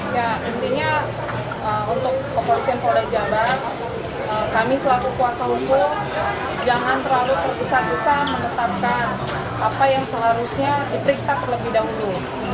ya intinya untuk kepolisian polda jabar kami selaku kuasa hukum jangan terlalu tergesa gesa menetapkan apa yang seharusnya diperiksa terlebih dahulu